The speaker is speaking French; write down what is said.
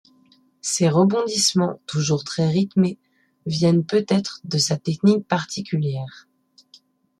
Ses rebondissements toujours très rythmés viennent peut-être de sa technique particulière.